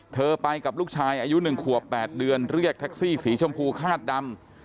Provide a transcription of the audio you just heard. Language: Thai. เธอไปกับลูกชายอายุ๑ขวบ๘เดือนเรียกแท็กซี่สีชมพูคาดดำ